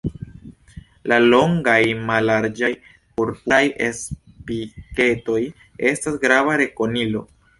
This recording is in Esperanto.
La longaj mallarĝaj purpuraj spiketoj estas grava rekonilo.